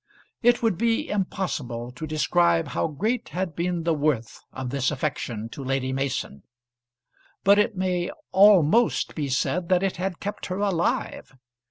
It would be impossible to describe how great had been the worth of this affection to Lady Mason; but it may almost be said that it had kept her alive.